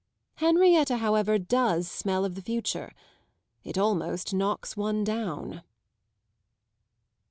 Henrietta, however, does smell of the Future it almost knocks one down!"